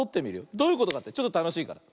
どういうことかってちょっとたのしいから。